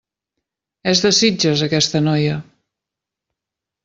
És de Sitges, aquesta noia.